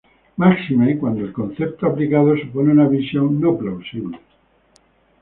Máxime cuando el concepto aplicado supone una visión no plausible.